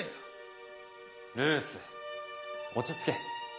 ルース落ち着け。